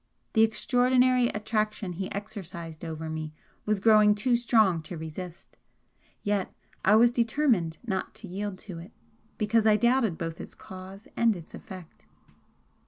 The extraordinary attraction he exercised over me was growing too strong to resist, yet I was determined not to yield to it because I doubted both its cause and its effect.